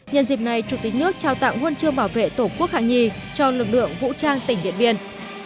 nhân dịp này chủ tịch nước trao tặng huân chương bảo vệ tổ quốc hạng nhì cho lực lượng vũ trang tỉnh điện biên